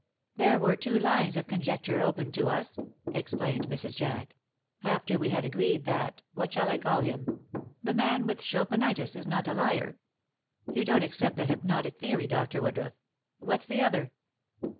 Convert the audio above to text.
"There were two lines of conjecture open to us," explained Mrs. Jack, "after we had agreed that what shall I call him? the man with Chopinitis is not a liar. You don't accept the hypnotic theory, Dr. Woodruff. What's the other?"